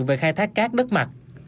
về khai thác cát đất mặt